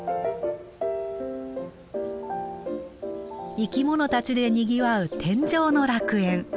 生きものたちでにぎわう天上の楽園。